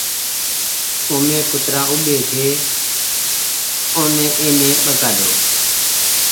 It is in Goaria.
مينٚ ڪترآ اوٻي ڇي اومي ايني ٻگآۮو